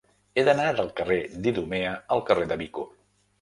He d'anar del carrer d'Idumea al carrer de Vico.